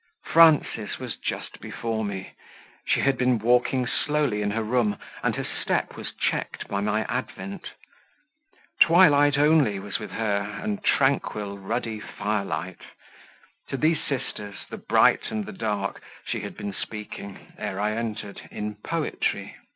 Frances was just before me; she had been walking slowly in her room, and her step was checked by my advent: Twilight only was with her, and tranquil, ruddy Firelight; to these sisters, the Bright and the Dark, she had been speaking, ere I entered, in poetry.